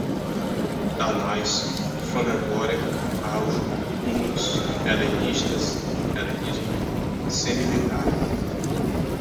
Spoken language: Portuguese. Tánais, Fanagoria, Aujo, hunos, helenistas, helenismo, semilendário